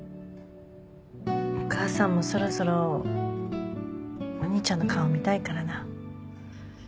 お母さんもそろそろお兄ちゃんの顔見たいからな。